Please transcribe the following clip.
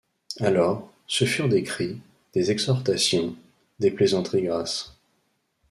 Alors, ce furent des cris, des exhortations, des plaisanteries grasses.